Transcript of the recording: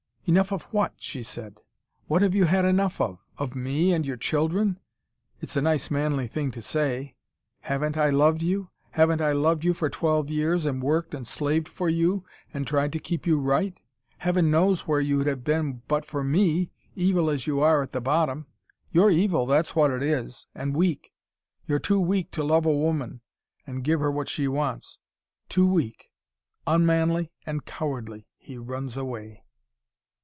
"Enough of what?" she said. "What have you had enough of? Of me and your children? It's a nice manly thing to say. Haven't I loved you? Haven't I loved you for twelve years, and worked and slaved for you and tried to keep you right? Heaven knows where you'd have been but for me, evil as you are at the bottom. You're evil, that's what it is and weak. You're too weak to love a woman and give her what she wants: too weak. Unmanly and cowardly, he runs away."